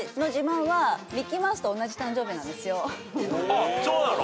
あっそうなの？